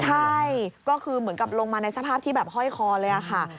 ใช่ก็คือเหมือนกับลงมาในสภาพที่แบบห้อยคอเลยค่ะ